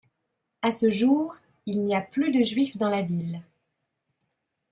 À ce jour, il n'y a plus de Juifs dans la ville.